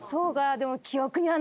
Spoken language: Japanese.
でも。